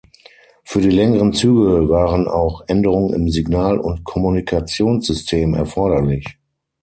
Für die längeren Züge waren auch Änderungen im Signal- und Kommunikationssystem erforderlich.